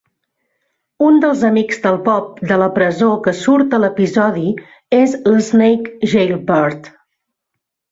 Un dels amics del Bob de la presó que surt a l'episodi és l'Snake Jailbird.